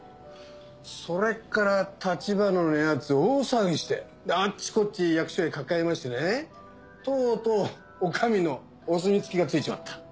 それから立花のやつ大騒ぎしてあっちこっち役所へ掛け合いましてねとうとうお上のお墨付きがついちまった。